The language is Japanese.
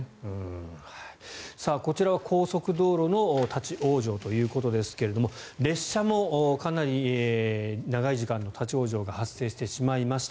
こちらは高速道路の立ち往生ということですが列車もかなり長い時間の立ち往生が発生してしまいました。